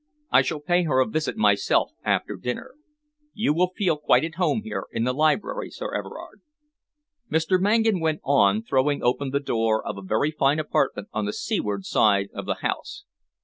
I shall pay her a visit myself after dinner. You will feel quite at home here in the library, Sir Everard," Mr. Mangan went on, throwing open the door of a very fine apartment on the seaward side of the house.